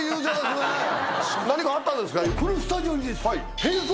何かあったんですか？